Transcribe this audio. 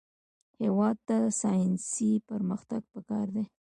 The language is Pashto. هېواد ته ساینسي پرمختګ پکار دی